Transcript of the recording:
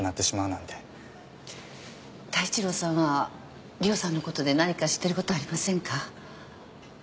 太一郎さんは里緒さんのことで何か知ってることありませんか？